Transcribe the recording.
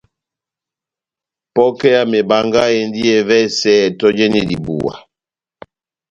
Pokɛ ya mebanga endi evɛsɛ tɔjeni dibuwa.